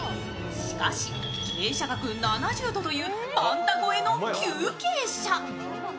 しかし傾斜角７０度というマンタ超えの急傾斜。